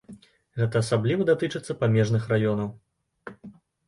Гэта асабліва датычыцца памежных раёнаў.